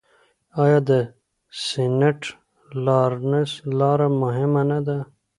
آیا سینټ لارنس لاره مهمه نه ده؟